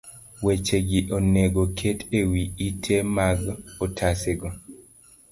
Wechegi onego oket e wi ite mag otasego